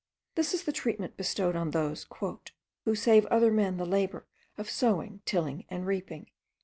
This is the treatment bestowed on those "who save other men the labour of sowing, tilling, and reaping."